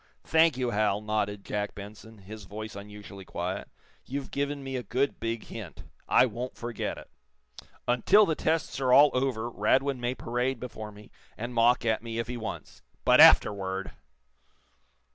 "Thank you, Hal," nodded Jack Benson, his voice unusually quiet. "You've given me a good, big hint. I won't forget it. Until the tests are all over Radwin may parade before me, and mock at me, if he wants. But afterward